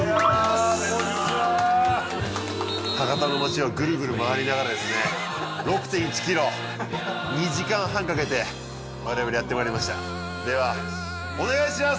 博多の街をグルグル回りながらですね６．１ｋｍ２時間半かけて我々やってまいりましたではお願いします！